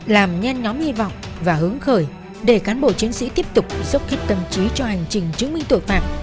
làm nhanh nhóm hy vọng và hướng khởi để cán bộ chiến sĩ tiếp tục sốc khít tâm trí cho hành trình chứng minh tội phạm